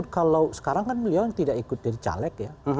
karena kalau sekarang kan beliau yang tidak ikut dari caleg ya